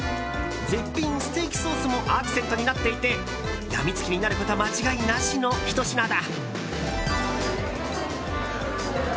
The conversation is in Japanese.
絶品ステーキソースもアクセントになっていてやみつきになること間違いなしのひと品だ。